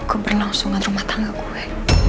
kebernausungan rumah tangga gue